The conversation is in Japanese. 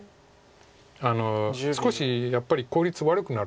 少しやっぱり効率悪くなると思うんで。